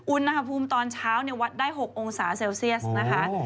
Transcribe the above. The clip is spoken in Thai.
อุณหภูมิตอนเช้าวัดได้๖องศาเซลเซียสนะคะ